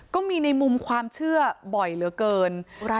ก็มีในมุมความเชื่อบ่อยเหลือเกิน